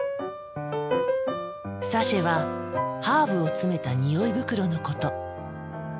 サシェはハーブを詰めた匂い袋のこと。